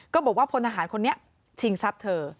ก็บอกว่าพลทหารคนนี้ชิงซับเธอ